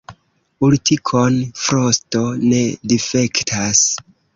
Urtikon frosto ne difektas.